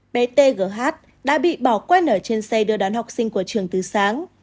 bé t g h đã bị bỏ quen ở trên xe đưa đón học sinh của trường từ sáng